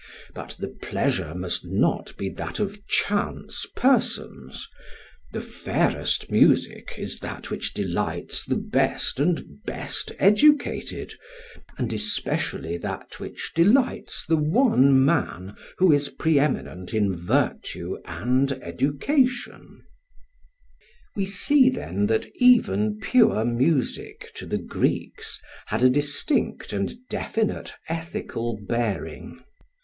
But the pleasure must not be that of chance persons; the fairest music is that which delights the best and best educated, and especially that which delights the one man who is pre eminent in virtue and education." [Footnote: Plato Laws. II. 6586. Translated by Jowett.] We see then that even pure music, to the Greeks, had a distinct and definite ethical bearing.